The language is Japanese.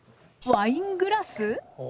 ワイングラス？